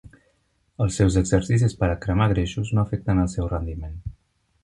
Els seus exercicis per a cremar greixos no afecten el seu rendiment.